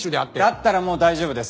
だったらもう大丈夫です。